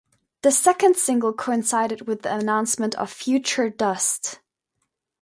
The second single coincided with the announcement of "Future Dust".